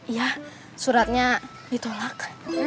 iya suratnya ditolak